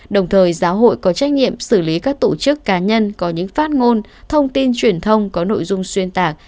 đồng thời giáo hội có trách nhiệm xử lý các tổ chức cá nhân có những phát ngôn thông tin truyền thông có nội dung xuyên tạc